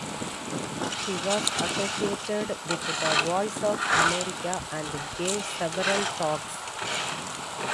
She was associated with the 'Voice of America' and gave several talks.